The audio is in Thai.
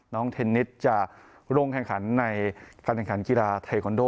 เทนนิสจะลงแข่งขันในการแข่งขันกีฬาเทคอนโด